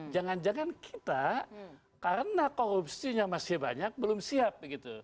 jangan jangan kita karena korupsinya masih banyak belum siap